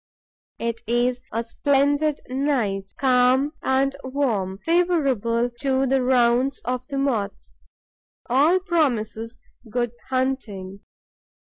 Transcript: It is a splendid night, calm and warm, favourable to the rounds of the Moths. All promises good hunting.